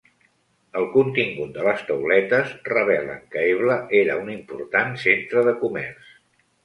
El contingut de les tauletes revelen que Ebla era un important centre de comerç.